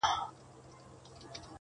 كه ملاقات مو په همدې ورځ وسو.